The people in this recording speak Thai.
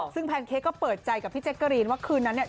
ซึ่งแพนเค้กก็เปิดใจกับพี่แจ๊กกะรีนว่าคืนนั้นเนี่ย